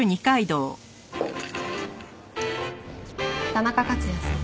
田中克也さん。